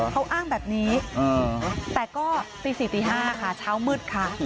เขาอ้างแบบนี้แต่ก็ปี๔๕ช้าวมืดค่ะ